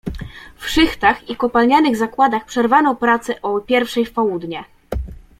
"W szychtach i kopalnianych zakładach przerwano pracę o pierwszej w południe."